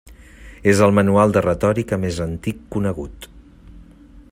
És el manual de retòrica més antic conegut.